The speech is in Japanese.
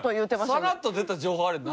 さらっと出た情報あれ何？